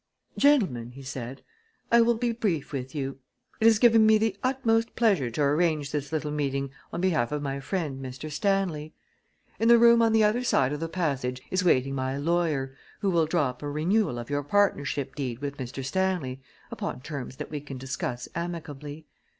"Gentlemen," he said, "I will be brief with you. It has given me the utmost pleasure to arrange this little meeting on behalf of my friend, Mr. Stanley. In the room on the other side of the passage is waiting my lawyer, who will draw up a renewal of your partnership deed with Mr. Stanley upon terms that we can discuss amicably.